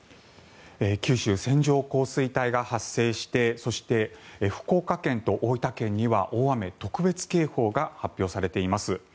九州、線状降水帯が発生してそして、福岡県と大分県には大雨特別警報が発表されています。